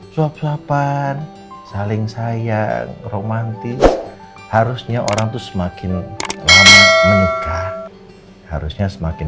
suap suapan saling sayang romantis harusnya orang tuh semakin lama menikah harusnya semakin